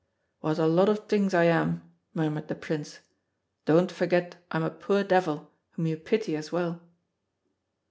"What a lot of things I am," murmured the Prince. "Don't forget I'm a poor devil whom you pity as well."